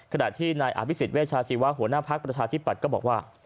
ขณะที่นายอภิษฎเวชาชีวะหัวหน้าภักดิ์ประชาธิปัตย์ก็บอกว่า